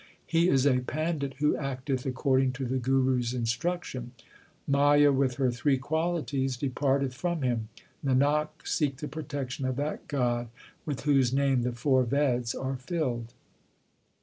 He is a pandit who acteth according to the Guru s instruc tion : Maya with her three qualities departeth from him. Nanak, seek the protection of that God With whose name the four Veds are filled.